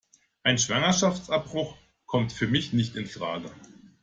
Ein Schwangerschaftsabbruch kommt für mich nicht infrage.